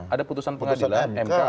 ada putusan pengadilan mk